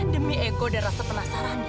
demi eko dan rasa penasaran